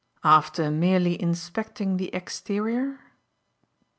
"After merely inspecting the exterior?"